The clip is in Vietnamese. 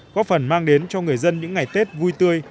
có phần mang đến cho người dân những ngày tết vui tươi